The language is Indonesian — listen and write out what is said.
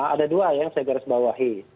ada dua yang saya garis bawahi